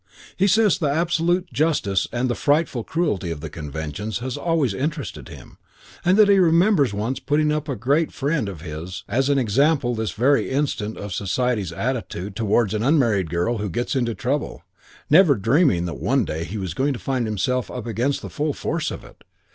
He says the absolute justice and the frightful cruelty of conventions has always interested him, and that he remembers once putting up to a great friend of his as an example this very instance of society's attitude towards an unmarried girl who gets into trouble, never dreaming that one day he was going to find himself up against the full force of it.